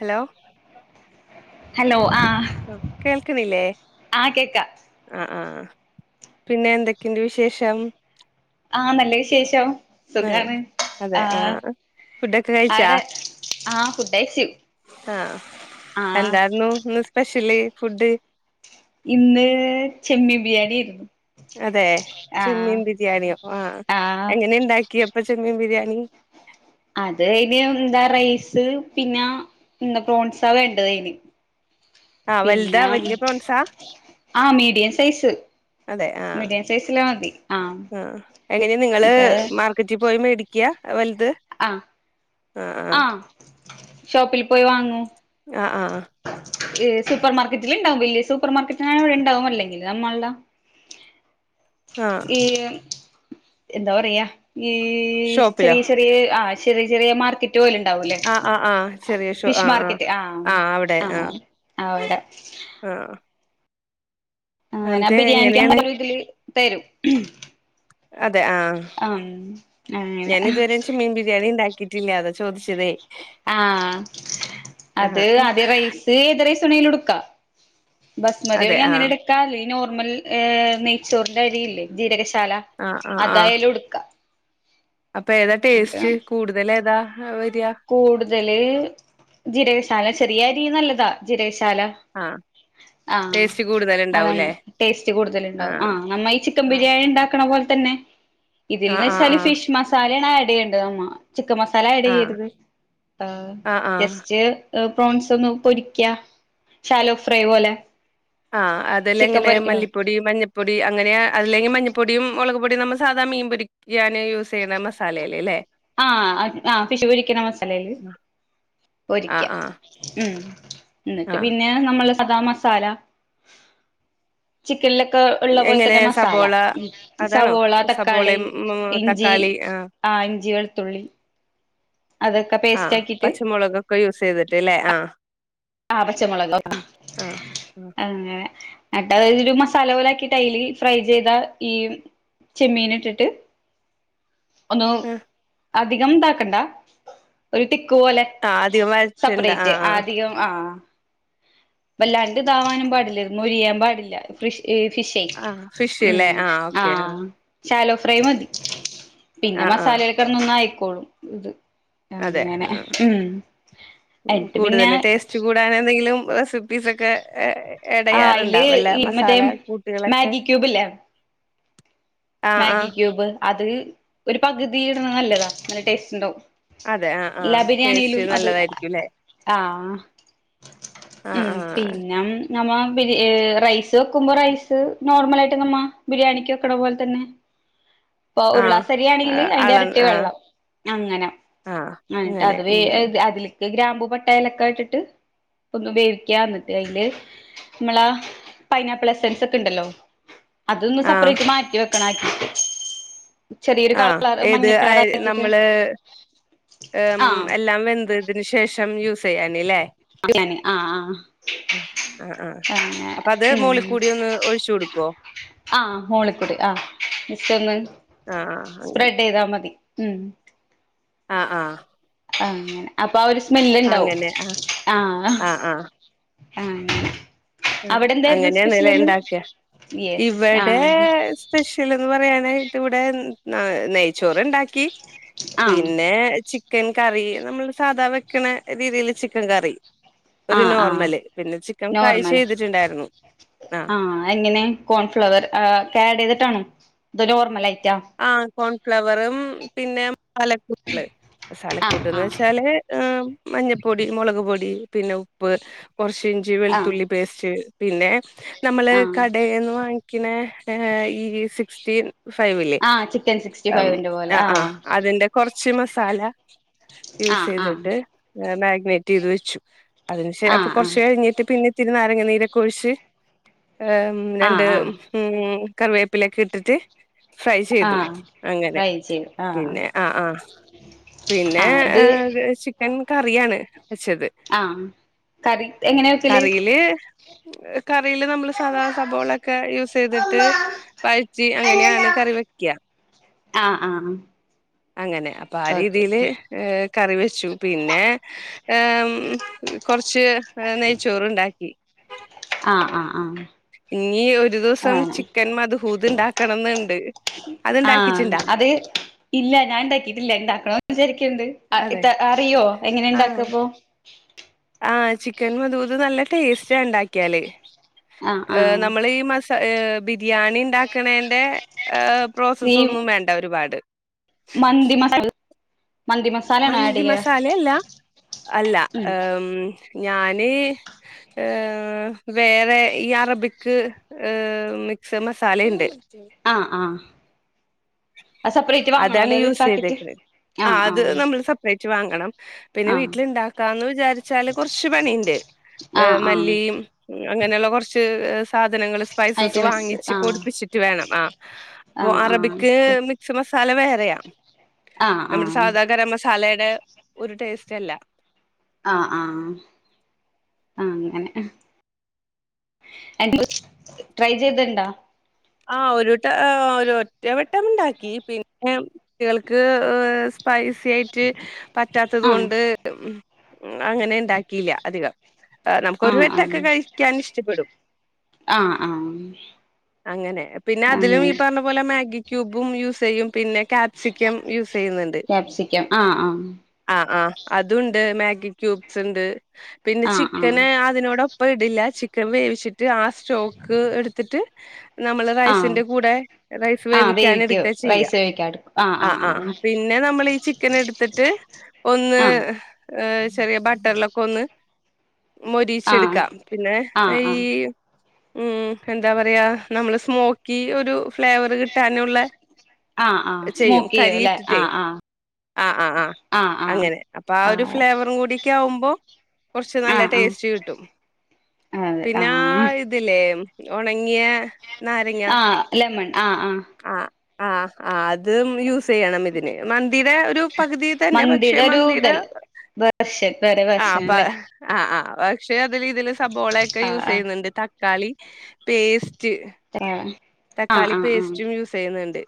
Hello. Hello ആഹ് കേൾക്ക്ണില്ലേ? ആഹ് കേക്കാം അഹ് ആഹ് പിന്നെ എന്തൊക്കെയുണ്ട് വിശേഷം? ആ നല്ല വിശേഷം ആഹ് സുഖാണ് ആഹ്. ഫുഡൊക്കെ കഴിച്ചാ ആടെ ആഹ് ഫുഡഴിച്ചു ആഹ് ആഹ് എന്തായിരുന്നു ഇന്ന് സ്പെഷ്യല് ഫുഡ് ഇന്ന് ചെമ്മീൻ ബിരിയാണിയായിരുന്നു. അതെ ചെമ്മീൻ ബിരിയാണിയോ? ആഹ് എങ്ങനെ ഇണ്ടാക്കിയപ്പൊ ചെമ്മീൻ ബിരിയാണി? അത് അയ്ന് എന്താ റൈസ് പിന്നെ എന്താ പ്രോൺസ വേണ്ടത് അയ്ന്. ആഹ് വലുതാ വല്ല്യ പ്രോൺസാ. ആഹ് മീഡിയം സൈസ്. അതെ ആഹ് മീഡിയം സൈസില് മതി ആഹ് എങ്ങനെ നിങ്ങള്? എന്നിട്ട് മാർകറ്റി പോയി മേടിക്ക വലുത്? ആഹ് ആഹ് ഷോപ്പിൽ പോയി വാങ്ങൂ. ആഹ് ആഹ് ആഹ് സൂപ്പർ മാർക്കറ്റിൽ ഉണ്ടാവും വലിയ സൂപ്പർ മാർക്കറ്റിനാ അവിടെ ഉണ്ടാവും അല്ലെങ്കിൽ നമ്മൾട. ആഹ് ഈ എന്താ പറയാ ഈ ഷോപ്പിലോ ചെറിയ. ആഹ് ചെറിയ ചെറിയ മാർക്കറ്റ്. റ്റ് പോലെ ഉണ്ടാവൂല്ലേ ആഹ് ആഹ് ആഹ് ചെറിയ ഷോ ഫിഷ് ആഹ് മാർക്കറ്റ് ആഹ് ആഹ് അവിടെ. ആഹ് അങ്ങനെ എന്നിട്ട് ബിരിയാണിക്ക് എങ്ങനെയാണ് അങ്ങനെ ഇതില് തരും. അതെ ആഹ് ഉം അങ്ങനെ ഞാൻ ഇതുവരെ ചെമീൻ ബിരിയാണി ഇണ്ടാക്കി. ട്ടില്ല അതോ ചോദിച്ചതേ? ആഹ് അത് ആഹ് ആദ്യം റൈസ് എത് റൈസ് വേണേൽ എടുക്കാ. ബസ്മതി അതെ വേണെങ്കി അങ്ങനെ ആഹ് എടുക്കാ ഈ നോർമൽ ഏഹ് നെയ്ച്ചോറിന്റെ അരിയില്ലേ ജീരകശാല. ആഹ് ആഹ് ആഹ് അതുടുക്ക. അപ്പൊ ഏതാ ടേസ്റ്റ് കൂടുതൽ ഏതാ വരാ? കൂടുതല് ജീരകശാല ചെറിയ അരീ നല്ലതാ ജീരകശാല. ആഹ് ആഹ് ടേസ്റ്റ് അതാണ് കൂടുതല്ണ്ടാവൂലേ ടേസ്റ്റ് കൂടുതൽ ഇണ്ടാവും ആഹ് നമ്മ ഈ ചിക്കൻ ആഹ് ബിരിയാണി ഇണ്ടാക്കണ പോലെ തന്നെ. ആഹ് ഇതിൽന്ന് ആഹ് വെച്ചാല് ആഹ് ഫിഷ് മസ് മസാലണ് ആഡ് ചെയ്യേണ്ടത് അമ്മ ചിക്കൻ മസാല ആഡ് ആഹ് ചെയ്യരുത് ആഹ് ജസ്റ്റ് പ്രോൺസ് ഒന്ന് പൊരിക്ക ശാലോ ഫ്രൈ പോലെ ആഹ് അതില് ചിക്കൻ എങ്ങനെ പൊരിക്കണ മല്ലി പ്പൊടി മഞ്ഞപ്പൊടി അങ്ങനെ അല്ലങ്കി മഞ്ഞ പ്പൊടിയും മൊളക് പ്പൊടിയും നമ്മ സാധാ മീൻ പൊരിക്കും യ്ക്കാൻ യൂസ് ചെയ്യുന്ന മസാലെല് ല്ലേ ആഹ് ആഹ് ഫിഷ് പൊരിക്കണ മസാലയില് പൊരിക്ക ആഹ് ആഹ് ഉം എന്നിട്ട് ആഹ് പിന്നെ നമ്മള് സദാ മസാല ചിക്കനിലൊക്കെ ഉള്ള പോലെ എങ്ങനെ തന്നെ മസാല സബോള അതാണോ സവോള തക്കാളി സബോളയും ഉം ഇഞ്ചി തക്കാളി ആഹ് ഇഞ്ചി വെളുത്തുള്ളി അതൊക്കെ പേസ്റ്റ് ആഹ് ആക്കിട്ട് പച്ചമുളക് ഒക്കെ യൂസ് ചെയ്തിട്ട് ല്ലേ ആഹ് ആഹ് പച്ചമുളക് ആഹ് ആഹ് അങ്ങനെ ന്നട്ട് അവര് ഒര് മസാല പോലെ ആക്കിട്ട് അയില് ഫ്രൈ ചെയ്താ ഈ ചെമ്മീൻ ഇട്ടിട്ട് ഒന്നു ആഹ് അധികം ഇതാക്കണ്ട ഒരു തിക്ക് പോലെ ആഹ് അധികം വഴറ്റണ്ട ആഹ് സെപ്പറേറ്റ് ആഹ് അധികം ആഹ് വല്ലാണ്ട് ഇതാവാനും പാടില്ല മോരിയാൻ പാടില്ല ഫിഷ് ഫിഷേ ആഹ് ഫിഷ്ല്ലേ ഉം ഓക്കെ ആഹ് ഷാല്ലോ ഫ്രൈ മതി പിന്നെ ആഹ് ആഹ് മസാലയിൽ കെടന്ന് ഒന്ന് ആയിക്കോളും ഇത് അതെ അങ്ങനെ ആഹ് ഉം എന്നിട്ട് പിന്നെ- ചൂടാകാൻ എന്തെങ്കിലും റെസിപ്പീസ് ഒക്കെ ഏ - ആ അയില് എടയാറുണ്ടാവല്ലേ ഈ മറ്റേ മസാല കൂട്ടുകളൊക്കെ മാഗി ക്യൂബ് ഇല്ലേ ആഹ് മാഗി ആഹ് ക്യൂബ് അത് ഒരു പകുതി ഇടുണ നല്ലതാ നല്ല ടേസ്റ്റ് ഉണ്ടാവും അതെ ആഹ് ആഹ് ടേസ്റ്റ് നല്ലതായിരിക്കുംയില്ലേ ആഹ് ആഹ് ഉം ആഹ് പിന്നം നമ്മ ബി റൈസ് വെക്കുമ്പോ റൈസ് നോർമലായിട്ട് നമ്മ ബിരിയാണിക്ക് വെക്കണ പോലെ തന്നെ ഇപ്പ ഒരു ആഹ് ഗ്ലാസ്സ് അരിയാണെങ്കില് അതിന്റെ അള എരട്ടി ആഹ് വെള്ളം അങ്ങനെ ആഹ് എന്നിട്ട് അങ്ങനെ അത് വേ ഉം അതിലേക്ക് ഗ്രാമ്പൂ പട്ട ഏലക്ക ഇട്ടിട്ട് ഒന്ന് വേവിക്ക്‌വാ എന്നിട്ട് അയില്- നമ്മളാ പൈനാപ്പിൾ എസൻസ് ഒക്കെ ഇണ്ടല്ലോ അതൊന്ന് ആഹ് സപ്പറേറ്റ് മാറ്റി വെക്കണ ആയി ആഹ് ഏത് കളർ ആഹ് ആക്കിട്ട് നമ്മള് ആഹ് എല്ലാം വെന്ത് അതിന് ശേഷം യൂസ് ചെയ്യാനി അല്ലേ അങ്ങനെ ആഹ് ആഹ് അപ്പൊ അത് മോളി അങ്ങനെ ഉം കൂടി ഒന്ന് ഒഴിച്ചു കൊടുക്കോ ആഹ് മോളിക്കുടി ആഹ് മിസ് ഒന്ന് ആഹ് ആഹ് അങ്ങനെ സ്പ്രെഡ് ചെയ്താ മതി ഉം ആഹ് ആഹ് അങ്ങനെ അപ്പൊ ആഹ് ഒരു സ്മെല് ഉണ്ടാവും അങ്ങനെ ആഹ് ആഹ് അങ്ങനെ ആഹ് ആഹ് ആഹ് ആ അങ്ങനെ ആഹ് അവിടെ എന്തായിരുന്നു അങ്ങനയാണ് സ്പെഷ്യൽ അല്ലെ ഇന്ന് ഇണ്ടാക്ക യെസ് ആഹ് ഇവിടെ- സ്പെഷ്യൽ എന്ന് പറയനായിട്ട് ഇവിടെ നെയ്യ് - ചോറ് ഇണ്ടാക്കി ആഹ് പിന്നെ ചിക്കൻ കറി നമ്മള് - സാധാ വെക്കണ രീതില് ചിക്കൻ കറി ഒരു ആഹ് ആഹ് നോർമല് പിന്നെ ചിക്കൻ ഫ്രൈ നോർമൽ ചെയ്തിട്ടുണ്ടായിരുന്നു ആഹ് എങ്ങനെ കോൺഫ്ലവർ ആഡ് ചെയ്തിട്ടാണ് അത് നോർമൽ അയിറ്റാ ആഹ് കോൺഫ്ലവറും പിന്നെ മസാലക്കൂട്ടള് ആഹ് മസാലക്കൂട്ടന്ന് ആഹ് വെച്ചാല്- മഞ്ഞപ്പൊടി മുളക് പൊടി പിന്നെ ഉപ്പ് കൊറച്ച് ഇഞ്ചി ആഹ് വെളുത്തുള്ളി- പേസ്റ്റ് പിന്നെ നമ്മള് ആഹ് കടെന്ന് വാങ്ങി- പിന്നെ ഈ സിക്സ്റ്റീൻ ഫൈവില് ആഹ് ചിക്കൻ സിക്സ്റ്റി ഫൈവിന്റെ പോലെ ആഹ് ആഹ് അതിന്റെ- കൊറച്ച് മസാല യൂസ് ആഹ് ആഹ് ചെയ്തിട്ട് മാഗ്നെറ്റ് ചെയ്ത് വെച്ചു അതിന് ശ അപ്പൊ കൊറച്ചു ആഹ് കഴിഞ്ഞിട്ട് പിന്നെ ഇത്തിരി നാരങ്ങ നീരൊക്കെ ഒഴിച്ച്- ആഹ് രണ്ട് ആഹ് ആഹ് ഉം കറിവേപ്പിലൊക്കെ ഇട്ടിട്ട് ഫ്രൈ ചെയ്തു ആഹ് അങ്ങനെ ഫ്രൈ ചെയ്ത് ആഹ് പിന്നെ ആഹ് ആഹ് പിന്നെ ആഹ് ഇത് ചിക്കൻ കറിയാണ് വെച്ചത്. ആഹ് കറി എങ്ങനെയാ വക്കല് കറിയില് കറിയില് നമ്മള് സാധാ സവോളൊക്കെ യൂസ് ചെയ്തിട്ട് വഴിറ്റി അങ്ങനെ അങ്ങനെയാണ് കറി ആഹ് വെയ്ക്കാ ആഹ് അങ്ങനെ അപ്പ ആ ഓക്കെ രീതില്- കറി വെച്ചു പിന്നെ കൊറച്ച് - ആ നെയ്ച്ചോറുണ്ടാക്കി ആഹ് ആ ഹ് ആഹ് ഇനി ഒരു ദിവസം ആണ് ചിക്കൻ മധ്ഹൂത് ഉണ്ടാക്കണം എന്ന് ഉണ്ട് അത് ആഹ് ഉണ്ടാക്കിട്ടുണ്ടാ? അത് ഇല്ല ഞാൻ ണ്ടാക്കിട്ടില്ല ഇണ്ടാക്കണന്ന് വിചാരിക്കുന്നുണ്ട് അതെ ഇ അറിയോ എങ്ങനെ ഇണ്ടാക്കപ്പോ? ആഹ ചിക്കൻ മുതൂത് നല്ല ടേസ്റ്റ ണ്ടാക്കിയാല്. ആഹ് ഏഹഹ് ആഹ് നമ്മൾ ഈ മസ ഇ ബി ബിരിയാണി ഉണ്ടാക്കണേന്റെ പ്രോസസ്സ ഒന്നും വേണ്ട ഒരുപാട്. മന്ദി മസ മന്ദി മസ മന്തി മസാല അല്ല അല്ല ഉം ഞാന് ഏഹ് വേറെ ഈ അറബിക് ഏഹ് മിക്സ് മസാലയിണ്ട് ആഹ് ആഹ് അത് സെപ്പറേറ്റ് അതാണ് വാങ്ങണോല്ലേ ഒരു യൂസ് പാക്കറ്റ് ചെയ്തേക്കുന്നത് ആഹ് അത് നമ്മൾ സെപ്പറേറ്റ് വാങ്ങണം. പിന്നെ ആഹ് വീട്ടിലുണ്ടാക്കാന്ന് വിചാരിച്ചാല് കുറച്ച് പണിണ്ട് ആഹ് ഏഹ് ആഹ് മല്ലീയും, അങ്ങനെയുള്ള കുറച്ച് സാധനങ്ങൾ സ്പൈസസ് ഐറ്റംസ് വാങ്ങിച്ച് ആഹ് പൊടിപ്പിച്ചിട്ട് വേണം ആ അ ആഹ് അറബിക് ആഹ് ഓക്കെ ബിക് മസാല വേറെയാ ആഹ് നമ്മളെ ആഹ് സാതാ ഗരംമസാ സാലയുടെ ഒരു ടേസ്റ്റ് അല്ല. ആഹ് ആഹ് ആ അങ്ങനെ. A try ചെയ്തണ്ടാ? ആഹ് ഒരുട്ട ആഹ് ഒരു ഒറ്റവട്ടം ഉണ്ടാക്കി പിന്നെ കുട്ടികൾക്ക് ഹ സ്പൈസി ആയിട്ട് പറ്റാത്തത് ആഹ് കൊണ്ട് അങ്ങനെ ണ്ടാക്കിയില്ല അധികം ആ നമുക്ക് ഒരു ആഹ് വട്ടൊക്കെ ആഹ് കഴിക്കാൻ ഇഷ്ടപ്പെടും. ആഹ് ആഹ് അങ്ങനെ പിന്നെ അതിലും അങ്ങനെ ഈ പറഞ്ഞ അതുപോലെ മാഗി ക്യൂബും യൂസ് ചെയ്യും, പിന്നെ കാപ്സിക്കം യൂസ് ചെയ്യുന്നുണ്ട്. ക്യാപ്സിക്കം ആഹ് ആഹ് ആഹ് ആഹ് അതൂണ്ട് മാഗി ക്യൂബ്സ് ഉണ്ട് പിന്നെ ആഹ് ചിക്കന് ആഹ് അതിനോടോ ഇപ്പ ഇടില്ല ചിക്കൻ വേവിച്ചിട്ട് ആ സ്റ്റോക്ക് എടുത്തിട്ട് നമ്മള് ആഹ് റൈസിന്റെ കൂടെ റൈസ് ആഹ് വേവിക്കും വേവിക്കാനെടുക്ക റൈസ് ചെയ്യാം വേവിക്കാൻ എടുക്കും ആഹ് ആഹ് പിന്നെ നമ്മളീ ചിക്കൻ എടുത്തിട്ട് ഒന്ന് ആഹ് ഏഹ് ചെറിയ ബട്ടറിലൊക്കെ ഒന്ന് ആഹ് മൊരിച്ചെടുക്കാ പിന്നെ ആഹ് ആഹ് ആഹ് ഈ ആഹ് ഉം എന്താ പറയാ നമ്മള് സ്മോക്കി ഒരു ഫ്ലേവർ കിട്ടാനുള്ള ആഹ് ആഹ് സ്മോക്ക് ചെയ്യും കരി അല്ലേ ഇട്ടിട്ടേ ആഹ് ആഹ് ആഹ് ആഹ് ആഹ് അങ്ങനെ അപ്പൊ ആ ഒരു ആഹ് ഫ്ലേവറും കൂടിയൊക്കെ ആവുമ്പോ കോറച്ച് നല്ല ആഹ് ആഹ് ടേസ്റ്റ് കിട്ടും. അതെ പിന്നെ ആഹ് ആഇ ഇതില്ലേ ഉണങ്ങിയ നാരങ്ങ ആഹ് ലെമൺ ആഹ് ആഹ് ആഹ് ആഹ് ആഹ് അത് യൂസ് ചെയ്യണം ഇതിന് മന്തിയുടെ ഒരു പകുതി തന്നെ പക്ഷെ മന്തിയുടെ വർഷ വറെ ആഹ് പ വർഷനല്ലേ ആഹ് ആഹ് പക്ഷെ അതിൽ ഇതില് സബോളയൊക്കെ ആഹ് യൂസ് ആഹ് ചെയ്യുന്നുണ്ട് ത തക്കാളി പേസ്റ്റ് ആഹ് ആഹ് തക്കാളി ആഹ് പേസ്റ്റും ആഹ് യൂസ് ചെയ്യുന്നുണ്ട്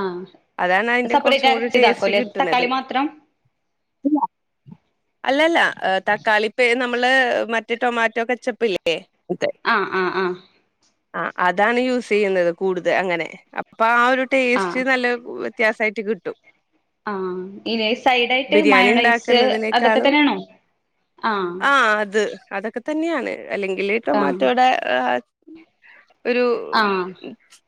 ആഹ് അതാണ് അതിന്റെ സെപ്പറേറ്റ് കുറച്ചും കൂടി അരച്ച് ടേസ്റ്റ് ഇതാക്കുംല്ലേ കിട്ടുന്നത് തക്കാളി മാത്രം ഇല്ല അല്ലല്ലാ തക്കാളിപ്പ നമ്മള് മ റ്റെ ടൊമാറ്റോ കെച്ചപ്പില്ലേ അതെ ആഹ് ആഹ് ആഹ് ആ അതാണ് യൂസ് ചെയ്യുന്നത് കൂടുത അങ്ങനെ അപ്പൊ ആ ഒരു ടേസ്റ്റ് ആഹ് നല്ല വെ ത്യാസായിറ്റ് കിട്ടും. ആഹ് ഇനി സൈഡ ആയിട്ട് ബിരിയാണി മയോണൈസ് അതൊക്കെ ഉണ്ടാക്കുന്നതിനേക്കാളും തന്നേണോ ആഹ് അത് അതൊക്കെ തന്നെയാണ് അല്ലെങ്കില് ആഹ് ടൊമാറ്റോടെ ആ ഒരു ആഹ്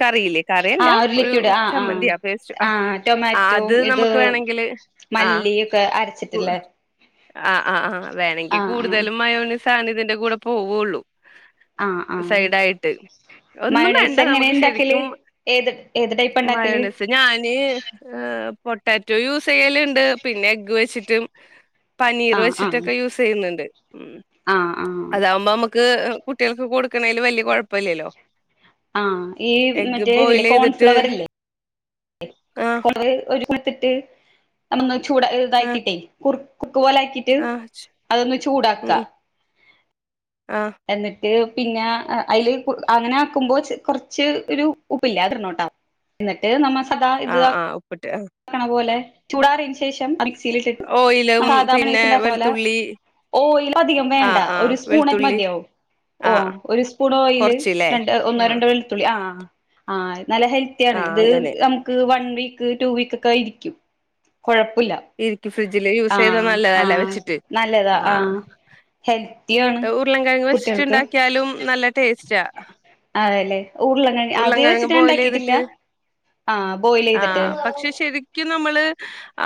കറിയില്ലേ കറി അല്ല ആഹ് ഒരു ലിക്വിഡ് ആഹ് ആഹ് ചമ്മന്തിയാ പേസ്റ്റ് ആ ആഹ് ആ അത് ടൊമാറ്റോം ഇത് നമുക്ക് വേണെങ്കില് ആഹ് മല്ലിയൊക്കെ കു അരച്ചിട്ടില്ലേ ആ ആഹ് ആഹ് വേണെങ്കി ആഹ് കൂടുതലും മയോനൈസാണിതിന്റെ കൂടെ പോവൊള്ളു. ആഹ് ആഹ് ഒന്നും മയൊണൈസ് വേണ്ട എങ്ങനെ നമുക്ക് ഇണ്ടാക്കല് ശരിക്കും ഏത് ഏത് ടൈപ്പ ഇണ്ടാക്കല്. ഇപ്പ ഞാന് ഏഹ് പൊട്ടാറ്റോ യൂസ് ചെയ്യലുണ്ട് പിന്നെ എഗ്ഗ് വെച്ചിട്ടും പനീർ ആഹ് ആഹ് വെച്ചിട്ടൊക്കെ യൂസ് ചെയ്യുന്നുണ്ട് ഉം ആഹ് ആഹ് അതാകുമ്പോ അമ്മക്ക് കുട്ടിയാൾക്ക് കൊടുക്കണേല് വല്യ കൊഴപ്പല്ലല്ല്യോ ആഹ് ഈ മറ്റേതില്ലെ ചെയ്തിട്ട് കോൺഫ്ലവർ ഇല്ലെ ആഹ് [unintelligible] ഒരുമത്തിട്ട് അതൊന്ന് ചൂട ആഹ് ഇതാക്കിട്ടെ കുറു കുർക്ക് പോലാക്കി ആഹ് ചു ഉം ആഹ് എന്നിട്ട് പിന്നെ അയില് അങ്ങനെ ആക്കുമ്പോ കൊറച്ച് ഒരു ഉപ്പില്ലെ അതിടണട്ടൊ എന്നിട്ട് നമ്മ സദാ ഇത് താ പ്പിട്ട് ആ ക്കണ പോലെ ചൂടാറിയേന് ശേഷം മിക്സിൽ ഇട്ടിട്ട് ഓയിലും നമ്മ സാദാ പിന്നെ മയോണേസുണ്ടാക്കണ പോലെ വെളുത്തുള്ളി ഓയിൽ അധികം വേണ്ട ആഹ് ആഹ് ഒരു സ്പൂണയിക്ക് വെളുത്തുള്ളി മതിയാവും ഓഹ് ആഹ് ഒരു സ്പൂൺ ഓയില് കൊറച്ച്ല്ലേ രണ്ട്, ഒന്നൊ ആഹ് രണ്ടൊ വെ ത്തുള്ളി ആഹ് ആഹ് നല്ല ഹെൽത്തിയാണ് ആഹ് ഇത് അങ്ങനെ നമുക്ക് വൺ വീക്ക് റ്റു വീക്കക്കെ ഇരിക്കും കുഴപ്പല്ല ഇരിക്കും ഫ്രിഡ്ജില് യൂസ് ചെയ്ത നല്ലതല്ലെ വെച്ചിട്ട് നല്ലതാ ആ ആഹ് ഹെൽത്തിയാണ് ട്ട് ഉരുളം കെയങ് കുട്ടികൾക്ക് വെച്ചിട്ടുണ്ടാക്കിയാലും നല്ല ടേസ്റ്റ അതെല്ലേ ഉരുളൻകിഴങ്ങ് ഉരുളം അത് കെഴങ്ങ് വെച്ചിട്ട് ഞാൻ ബോയിൽ ഉണ്ടാക്കിട്ടില്ല എയ്തിട്ട്. ആ ബോയിൽ ചെയ്തിട്ട് ആഹ് പക്ഷെ ശരിക്കും നമ്മള്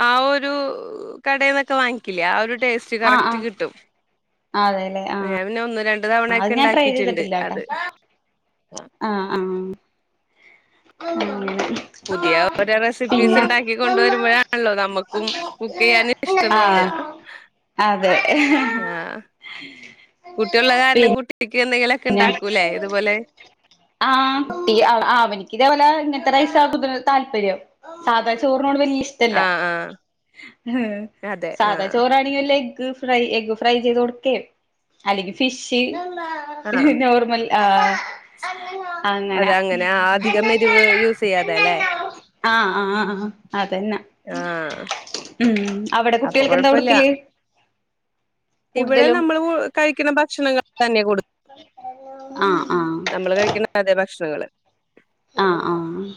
ആ ഒരു കടയിന്നൊക്കെ വാങ്ങിക്കില്ലേ ആ ഒരു ടേസ്റ്റ് കറക്റ്റ് കിട്ടും. ആതെലെ ഞാൻ പിന്നെ ഒന്ന്, രണ്ടു തവണ ഒക്കെ ഇണ്ടാക്കിടറ്റുണ്ട് അത് ആഹ് ആഹ് ആഹ് ഉം പുതിയ ഓരോ റെസിപ്പീസ് ഇണ്ടാക്കി കൊണ്ടു പിന്നെ വരുമ്പോഴാണല്ലോ നമ്മുക്കും കുക്ക് ചെയ്യാന് ഇഷ്ടം ആഹ് തോന്നുക അതെ കുട്ടിയള്ള കാരണം കുട്ടിയാക്ക് എന്തെങ്കിലൊ പിന്നെ ആഹ് കുട്ടി ആ അവനിക്ക് ഇതേപോലെ ഇങ്ങനത്തെ റൈസാ [unintelligible] താല്പര്യം സാധാ ചോറിനോട് വെല്യ ഇഷ്ടല്ല ആഹ് ആഹ് അതെ സാധാ ആഹ് ചോറ അല്ലേ എഗ് ഫ്രൈ എഗ് ഫ്രൈ ചെയ്ത് കൊടുക്കെ അല്ലെങ്കി ഫിഷ് പിന്നെ ആഹ് നോർമൽ ആഹ് അങ്ങന അതെ അങ്ങനെ ആ അധികം എരിവ് യൂസ് ചെയ്യാതെ അല്ലേ ആഹ് ആഹ് അതന്നെ ആഹ് ഉം അവിടെ അപ്പൊ കുട്ടികൾക്ക് എന്താ കൊഴപ്പൊല്ല കൊടുക്കല് ഇവിടെ കൂടുതലും നമ്മള് പൊ കഴിക്കുന്ന ഭക്ഷണങ്ങൾ തന്നെയാ കൊട് ആഹ് ആഹ് നമ്മള് കഴിക്ക്ണ അതേ ഭക്ഷണങ്ങള്. ആഹ് ആഹ്